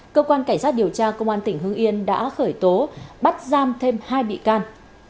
cơ quan cảnh sát điều tra công an tỉnh hưng yên đã khởi tố bắt giam thêm hai bị can